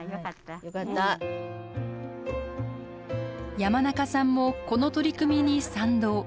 山中さんもこの取り組みに賛同。